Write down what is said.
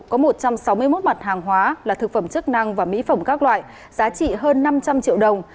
có một trăm sáu mươi một mặt hàng hóa là thực phẩm chức năng và mỹ phẩm các loại giá trị hơn năm trăm linh triệu đồng